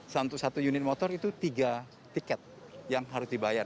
satu unit motor itu tiga tiket yang harus dibayar